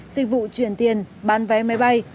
sinh vụ chuyển tiền bán vé máy bay